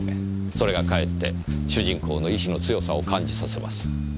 それがかえって主人公の意志の強さを感じさせます。